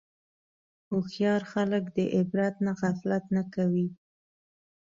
هوښیار خلک د عبرت نه غفلت نه کوي.